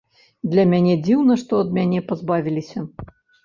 Для мяне дзіўна, што ад мяне пазбавіліся.